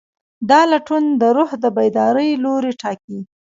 دا لټون د روح د بیدارۍ لوری ټاکي.